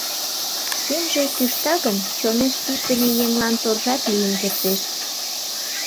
Шӱмжӧ кӱшта гын, чонеш пиждыме еҥлан торжат лийын кертеш.